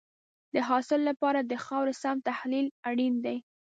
د حاصل لپاره د خاورې سم تحلیل اړین دی.